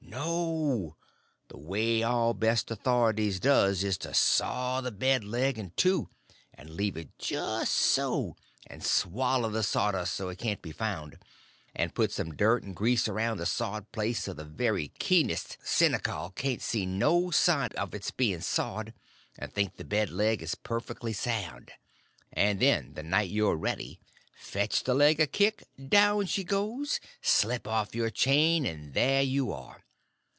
No; the way all the best authorities does is to saw the bed leg in two, and leave it just so, and swallow the sawdust, so it can't be found, and put some dirt and grease around the sawed place so the very keenest seneskal can't see no sign of it's being sawed, and thinks the bed leg is perfectly sound. Then, the night you're ready, fetch the leg a kick, down she goes; slip off your chain, and there you are.